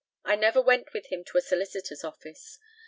I never went with him to a solicitor's office.